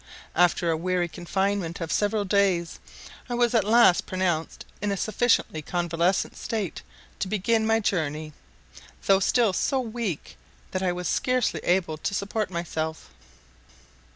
After a weary confinement of several days, I was at last pronounced in a sufficiently convalescent state to begin my journey, though still so weak that I was scarcely able to support myself.